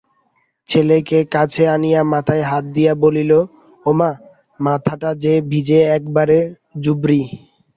ছেলেকে কাছে আনিয়া মাথায় হাত দিয়া বলিল, ওমা, মাথাটা যে ভিজে একেবারে জুবড়ি।